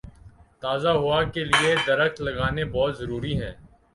تازہ ہوا کے لیے درخت لگانا بہت ضروری ہے